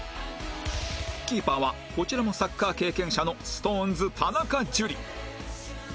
キーパーはこちらもサッカー経験者の ＳｉｘＴＯＮＥＳ 田中樹